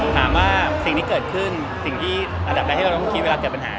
ถามว่าสิ่งที่เกิดขึ้นสิ่งที่อันดับใดที่เราต้องคิดเวลาเกิดปัญหา